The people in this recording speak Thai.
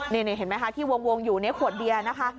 นี่เห็นไหมคะที่วงอยู่ในขวดเบียร์นะคะ